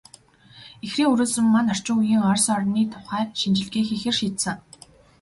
Ихрийн өрөөсөн маань орчин үеийн Орос орны тухай шинжилгээ хийхээр шийдсэн.